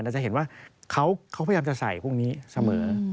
จะเห็นว่าเขาพยายามจะใส่พวกนี้เสมอ